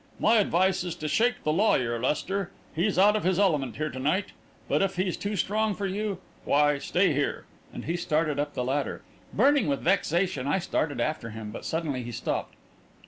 My advice is to shake the lawyer, Lester. He's out of his element here to night. But if he's too strong for you, why, stay here," and he started up the ladder. Burning with vexation, I started after him, but suddenly he stopped.